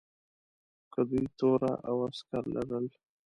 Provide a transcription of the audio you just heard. که دوی توره او عسکر لرل.